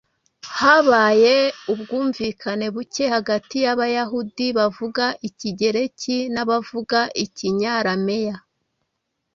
habaye ubwumvikane buke hagati y’Abayahudi bavuga ikigereki n’abavuga ikinyarameya.